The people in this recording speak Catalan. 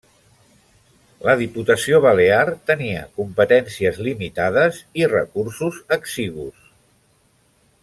La Diputació Balear tenia competències limitades i recursos exigus.